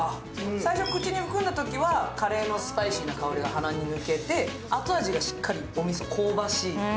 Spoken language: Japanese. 最初口に含んだときはカレーのスパイシーな香りが口に抜けて後味がしっかりおみそ、香ばしい。